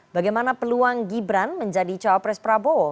bagaimana peluang gibran menjadi capres caopres prabowo